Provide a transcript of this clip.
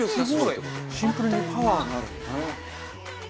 「シンプルにパワーがある」